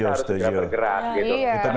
itu kita harus bergerak gitu